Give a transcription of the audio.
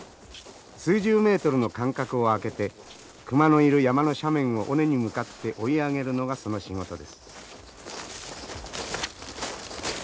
数十メートルの間隔を空けて熊のいる山の斜面を尾根に向かって追い上げるのがその仕事です。